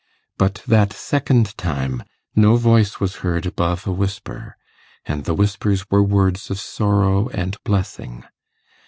But that second time no voice was heard above a whisper, and the whispers were words of sorrow and blessing.